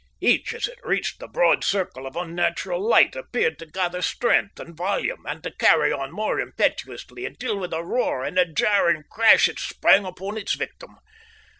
Each as it reached the broad circle of unnatural light appeared to gather strength and volume and to hurry on more impetuously until with a roar and a jarring crash it sprang upon its victim.